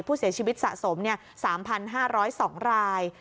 ผู้เสียชีวิตสะสม๓๕๐๒ราย